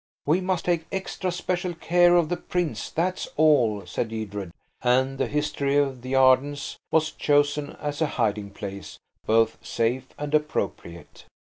"We must take extra special care of the prints, that's all," said Edred, and the "History of the Ardens" was chosen as a hiding place both safe and appropriate.